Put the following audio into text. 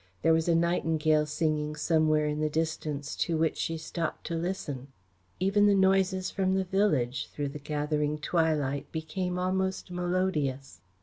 There was a nightingale singing somewhere in the distance to which she stopped to listen. Even the noises from the village, through the gathering twilight, became almost melodious.